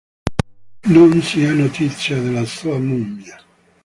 Non si ha notizia della sua mummia.